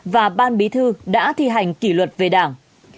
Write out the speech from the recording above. và ban bí thư đã thi hành kỷ luật về đảng